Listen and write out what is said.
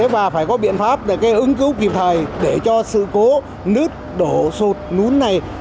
và phải có biện pháp để ứng cứu kịp thời để cho sự cố nứt đổ sụt lún này